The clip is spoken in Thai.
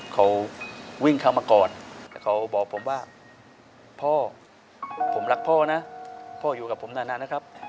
เขาวิ่งเข้ามาก่อนแล้วเขาบอกผมว่าพ่อผมรักพ่อนะพ่ออยู่กับผมนานนะครับ